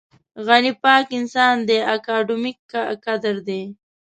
غني پاک انسان دی اکاډمیک کادر دی.